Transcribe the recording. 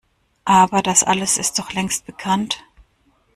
Aber das alles ist doch längst bekannt!